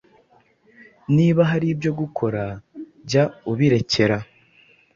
niba hari ibyo gukora jya ubirekera